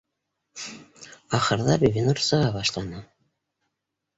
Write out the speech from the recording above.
Ахырҙа Бибинур сыға башланы